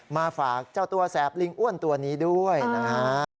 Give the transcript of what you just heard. มาฝากเจ้าตัวแสบลิงอ้วนตัวนี้ด้วยนะฮะ